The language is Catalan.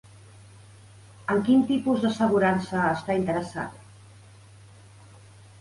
En quin tipus d'assegurança està interessat?